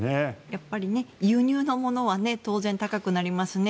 やっぱり輸入のものは当然高くなりますね。